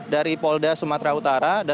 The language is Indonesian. dari polda sumatera utara